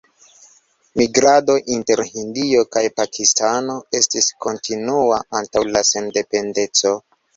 Migrado inter Hindio kaj Pakistano estis kontinua antaŭ la sendependeco.